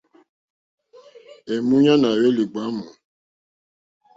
Èmúɲánà à hwélì ɡbwámù.